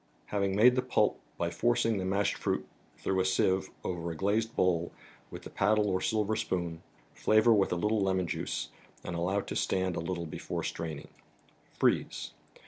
Having made the pulp by forcing the mashed fruit through a sieve over a glazed bowl with the paddle or silver spoon, flavor with a little lemon juice, and allow to 42 THE BOOK OF ICES. stand a little before straining. Freeze.